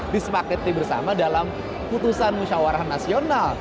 disepakati bersama dalam putusan musyawarah nasional